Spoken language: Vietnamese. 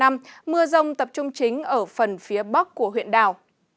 mưa rông tập trung chính ở phần phía bắc của huyện đảo